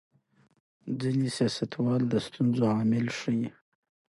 ځینې سیاستوال د ستونزو عامل ښيي.